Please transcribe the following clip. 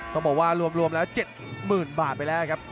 ต้องบอกว่ารวมแล้ว๗๐๐๐บาทไปแล้วครับ